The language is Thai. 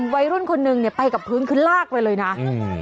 วัยรุ่นคนหนึ่งเนี่ยไปกับพิวงขึ้นลากเลยนะอืม